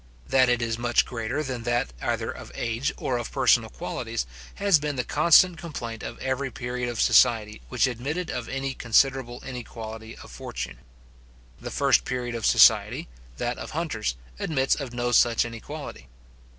That it is much greater than that either of age or of personal qualities, has been the constant complaint of every period of society which admitted of any considerable inequality of fortune. The first period of society, that of hunters, admits of no such inequality.